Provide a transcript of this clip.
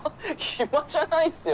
暇じゃないっすよ。